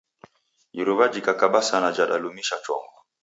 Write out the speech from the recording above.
Iruwa jhikakaba sana jadalumisha chongo